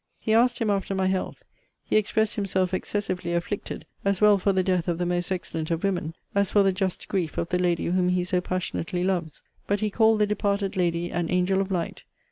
He asked him after my health. He expressed himself excessively afflicted, as well for the death of the most excellent of women, as for the just grief of the lady whom he so passionately loves. But he called the departed lady an Angel of Light.